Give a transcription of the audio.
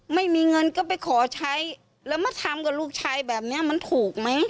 ไม่มีเงินก็ไปขอใช้แล้วมาทำกับลูกชายแบบนี้มันถูกไหม